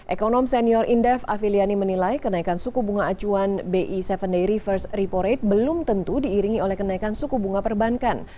ekonom senior indef afiliani menilai kenaikan suku bunga acuan bi tujuh day reverse repo rate belum tentu diiringi oleh kenaikan suku bunga perbankan